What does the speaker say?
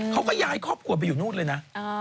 เขาก็ย้ายครอบครัวไปอยู่นู่นเลยนะ